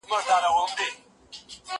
هغه څوک چي سبزېجات تياروي روغ وي!